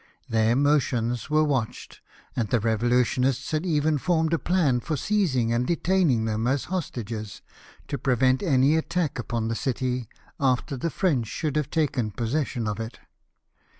Their motions were watched ; and the revolutionists had even formed a plan for seizing and detaining them as hostages, to prevent any attack upon the city after the French should have taken possession of it.